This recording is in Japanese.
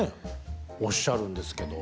おっしゃるんですけど。